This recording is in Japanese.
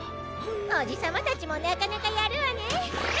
おじさまたちもなかなかやるわね。